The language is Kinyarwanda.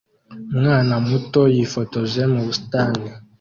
Umwana muto yifotoje mu busitani